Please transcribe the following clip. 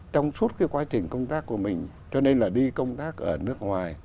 trong suốt cái quá trình công tác của mình cho nên là đi công tác ở nước ngoài